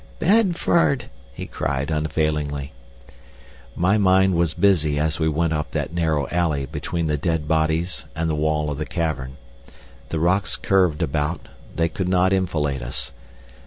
"Bedford!" he cried unavailingly. My mind was busy as we went up that narrow alley between the dead bodies and the wall of the cavern. The rocks curved about—they could not enfilade us.